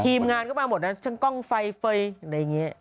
ทีมงานก็มาหมดนะทั้งกล้องไฟเฟย์อะไรอย่างนี้